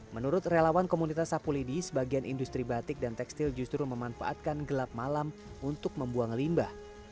menurut relawan komunitas sapulidi sebagian industri batik dan tekstil justru memanfaatkan gelap malam untuk membuang limbah